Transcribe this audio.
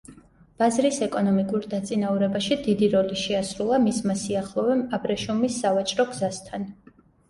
ბაზრის ეკონომიკურ დაწინაურებაში დიდი როლი შეასრულა მისმა სიახლოვემ აბრეშუმის სავაჭრო გზასთან.